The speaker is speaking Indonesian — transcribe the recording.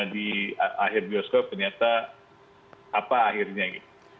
di akhir bioskop ternyata apa akhirnya gitu